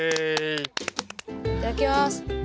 いただきます。